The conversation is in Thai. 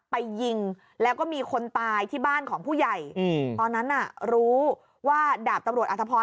ไปยิงแล้วก็มีคนตายที่บ้านของผู้ใหญ่อืมตอนนั้นน่ะรู้ว่าดาบตำรวจอธพร